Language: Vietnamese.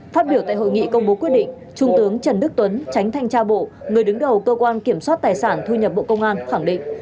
phát biểu tại hội nghị công bố quyết định trung tướng trần đức tuấn tránh thanh tra bộ người đứng đầu cơ quan kiểm soát tài sản thu nhập bộ công an khẳng định